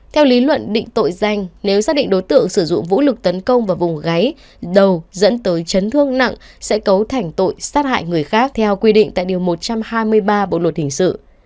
theo lý luận định tội danh nếu xác định đối tượng sử dụng vũ lực tấn công vào vùng gáy đầu dẫn tới chấn thương nặng sẽ cấu thành tội sát hại người khác theo quy định tại điều một trăm hai mươi ba bộ luật hình sự